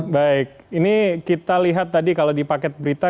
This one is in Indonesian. baik ini kita lihat tadi kalau di paket berita